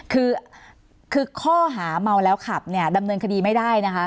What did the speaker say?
คือคือข้อหาเมาแล้วขับเนี่ยดำเนินคดีไม่ได้นะคะ